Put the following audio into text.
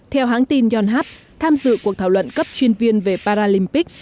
theo hãng tin yonhap tham dự cuộc thảo luận cấp chuyên viên về paralympic